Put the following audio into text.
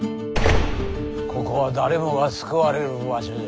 ここは誰もが救われる場所じゃ。